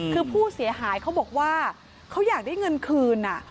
คือผู้เสียหายเขาบอกว่าเขาอยากได้เงินคืน